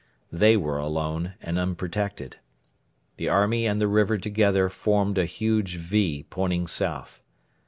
They were alone and unprotected. The army and the river together formed a huge "V" pointing south.